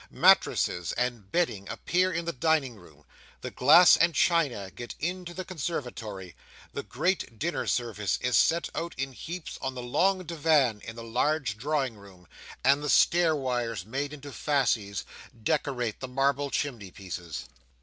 Mattresses and bedding appear in the dining room; the glass and china get into the conservatory; the great dinner service is set out in heaps on the long divan in the large drawing room; and the stair wires, made into fasces, decorate the marble chimneypieces.